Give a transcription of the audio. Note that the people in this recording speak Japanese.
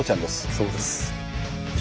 そうです。